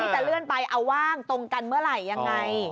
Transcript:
จะเลื่อนไปเอาว่างตรงกันเมื่อไหร่ยังไง